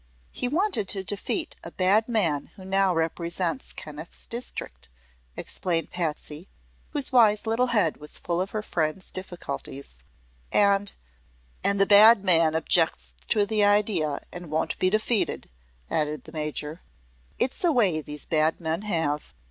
"He wanted to defeat a bad man who now represents Kenneth's district," explained Patsy, whose wise little head was full of her friend's difficulties; "and " "And the bad man objects to the idea and won't be defeated," added the Major. "It's a way these bad men have."